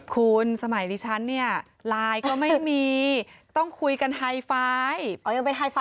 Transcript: คุณสมัยดิฉันเนี่ยไลน์ก็ไม่มีต้องคุยกันไฮไฟล์